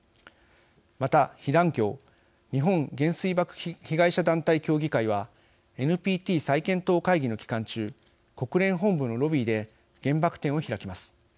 また、被団協＝日本原水爆被害者団体協議会はＮＰＴ再検討会議の期間中国連本部のロビーで「原爆展」を開きます。